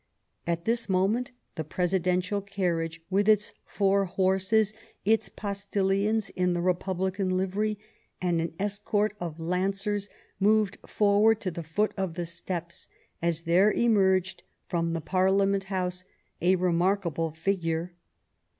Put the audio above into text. At this moment the presidential carriage, with its four horses, its postilions in the Republican livery, and an escort of Lancers, moved forward to the foot of the steps, as there emerged from the Parliament House a remarkable figure.